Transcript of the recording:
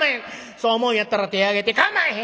そう思うんやったら手ぇ挙げて！かまへん！